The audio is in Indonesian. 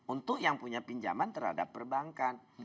untuk yang punya pinjaman terhadap perbankan